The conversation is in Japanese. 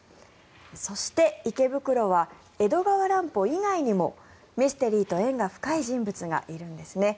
そして池袋は江戸川乱歩以外にもミステリーと縁が深い人物がいるんですね。